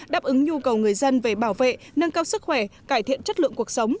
đáp ứng nhu cầu người dân về bảo vệ nâng cao sức khỏe cải thiện chất lượng cuộc sống